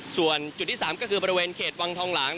ส่วนจุดที่๓ก็คือบริเวณเขตวังทองหลาง